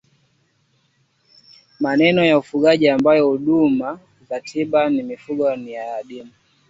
maeneo ya ufugaji ambako huduma za tiba ya mifugo ni adimu